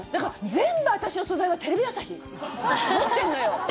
全部、私の素材はテレビ朝日持ってんのよ。